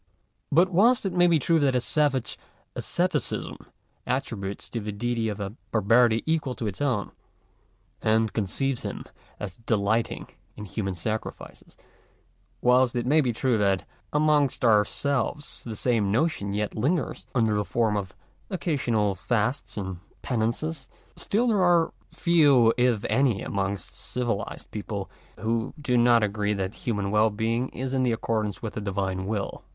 But, whilst it may be true that a savage asceticism attributes to the Deity a barbarity equal to its own, and conceives him as delighting in human sacrifices; whilst it may be true that amongst our selves the same notion yet lingers, under the form of occasional fasts and penances; still there are few if any amongst civi lized people who do not agree that human well being is in accordance with the Divine will.